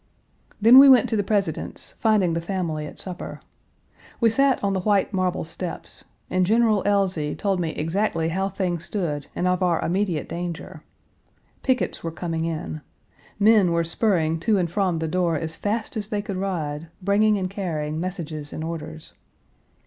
Then we went to the President's, finding the family at supper. We sat on the white marble steps, and General Elzey told me exactly how things stood and of our immediate danger. Pickets were coming in. Men were spurring to and from the door as fast as they could ride, bringing and carrying messages and orders.